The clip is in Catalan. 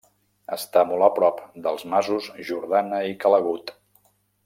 Està molt a prop dels masos Jordana i Ca l'Agut.